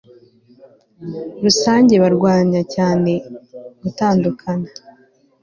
rusange barwanya cyane gutanduakana